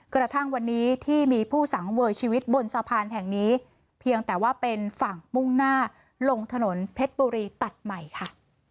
กระทั่งวันนี้ที่มีผู้สังเวยชีวิตบนสะพานแห่งนี้เพียงแต่ว่าเป็นฝั่งมุ่งหน้าลงถนนเพชรบุรีตัดใหม่ค่ะ